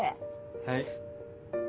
はい。